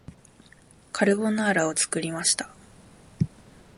カルボナーラを作りました